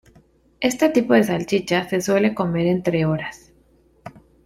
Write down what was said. Este tipo de salchicha se suele comer entre horas.